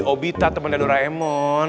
obita temennya doraemon